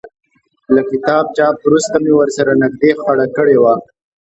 له کتاب چاپ وروسته مې ورسره نږدې خړه کړې وه.